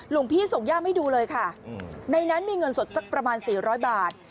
หลวงพี่ส่งย่ามให้ดูเลยค่ะในนั้นมีเงินสดสักประมาณ๔๐๐บาท